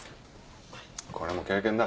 これも経験だ。